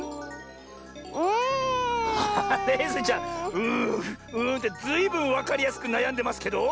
「うんうん」ってずいぶんわかりやすくなやんでますけど！